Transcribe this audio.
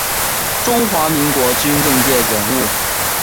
中华民国军政界人物。